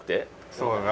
そう。